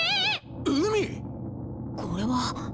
海⁉これは。